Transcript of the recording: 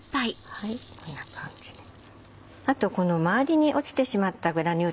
はいこんな感じです。